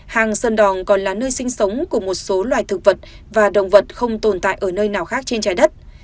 hàng sơn đòn còn là nơi sinh sống của một số loài thực vật và động vật không tồn tại ở nơi nào khác trên trái đất